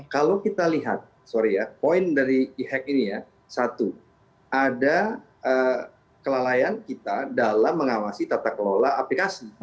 kalau kita lihat sorry ya poin dari e hack ini ya satu ada kelalaian kita dalam mengawasi tata kelola aplikasi